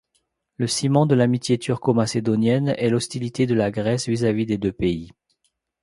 Le ciment de l'amitié turco-macédonienne est l'hostilité de la Grèce vis-à-vis des deux pays.